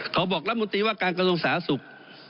เขาบอกลับมูลตีว่าการกระทงสาสุบ